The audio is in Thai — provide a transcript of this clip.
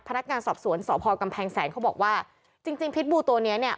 พนักงานสอบสวนสพกำแพงแสนเขาบอกว่าจริงจริงพิษบูตัวเนี้ยเนี้ย